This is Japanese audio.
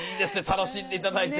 楽しんで頂いて。